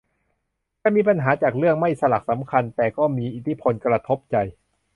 จะมีปัญหาจากเรื่องไม่สลักสำคัญแต่ก็มีอิทธิพลกระทบใจ